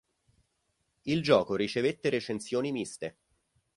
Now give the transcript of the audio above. Il gioco ricevette recensioni miste.